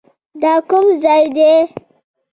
دا کوم ځاى دى.